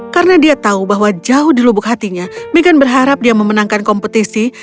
karena dia tahu bahwa jauh di lubuk hatinya megan berharap dia memenangkan kompetisi